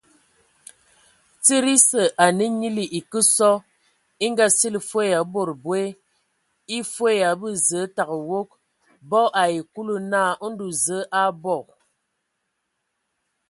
Tsid esǝ, ane nyili e kǝ sɔ, e Ngaa- sili fwe ya bod boe; e fwe ya abə zəə tǝgǝ wog. Bɔ ai Kulu naa : Ndɔ Zǝə a abɔ.